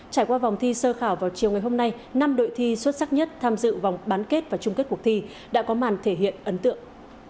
trải qua vòng thi sơ khảo vào chiều ngày hôm nay năm đội thi xuất sắc nhất tham dự vòng bán kết và chung kết cuộc thi đã có màn thể hiện ấn tượng